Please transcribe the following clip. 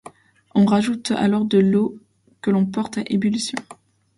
On rajoute alors de l'eau que l'on porte à ébullition.